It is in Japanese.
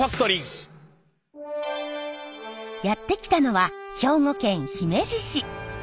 やって来たのは兵庫県姫路市。